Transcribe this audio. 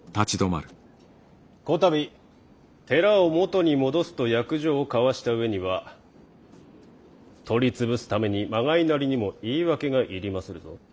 こたび寺を元に戻すと約定を交わした上には取り潰すためにまがりなりにも言い訳がいりまするぞ。